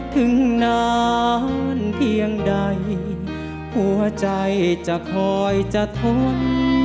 ถึงนานเพียงใดหัวใจจะคอยจะทน